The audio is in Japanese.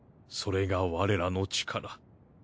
それが我らの力。